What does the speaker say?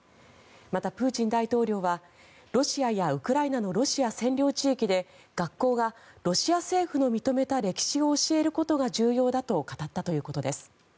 また、プーチン大統領はロシアやウクライナのロシア占領地域で学校がロシア政府の認めた歴史を教えることが重要だと語ったということです。